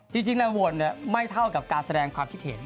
จริงในโหวตไม่เท่ากับการแสดงความคิดเห็น